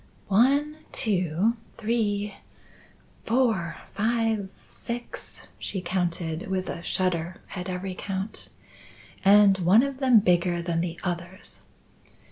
"One, two, three, four, five, six," she counted, with a shudder at every count. "And one of them bigger than the others."